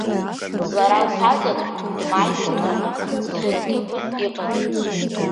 Лара лԥазацә дмааит аҩныҟа, ихаҭыԥан иҟада?